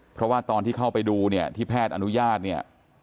เพราะว่าตอนที่เข้าไปดูเนี่ยที่แพทย์อนุญาตเนี่ย